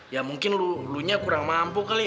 ya mungkin lu nya kurang mampu kali